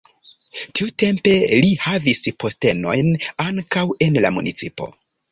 Tiutempe li havis postenojn ankaŭ en la municipo.